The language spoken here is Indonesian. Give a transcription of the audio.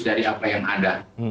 dari apa yang ada